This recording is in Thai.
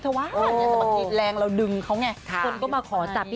แต่เค้าก็ไม่ได้